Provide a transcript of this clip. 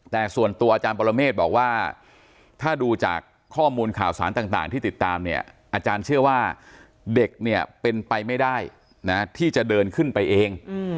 แต่ส่วนตัวอาจารย์ปรเมฆบอกว่าถ้าดูจากข้อมูลข่าวสารต่างที่ติดตามเนี่ยอาจารย์เชื่อว่าเด็กเนี่ยเป็นไปไม่ได้นะที่จะเดินขึ้นไปเอง